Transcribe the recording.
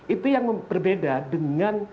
itu yang berbeda dengan iri tunis